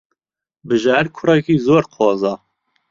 بژار کوڕێکی زۆر قۆزە.